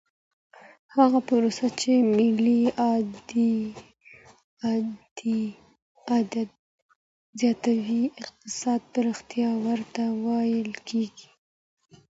هغه پروسه چي ملي عايد زياتوي اقتصادي پرمختيا ورته ويل کېږي.